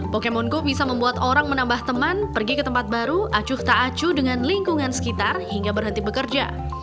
pokemon go bisa membuat orang menambah teman pergi ke tempat baru acuh taacu dengan lingkungan sekitar hingga berhenti bekerja